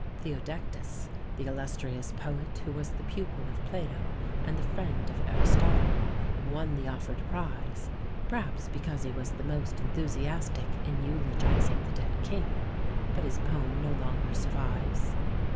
Theodektes, the illustrious poet who was the pupil of Plato and the friend of Aristotle, won the offered prize, perhaps because he was the most enthusiastic in eulogizing the dead King; but his poem no longer survives.